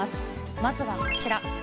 まずはこちら。